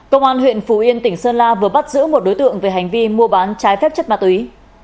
công an huyện phú yên tỉnh sơn la vừa bắt giữ một đối tượng về hành vi mua bán trái phép chất ma túy